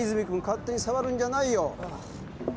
勝手に触るんじゃないよ！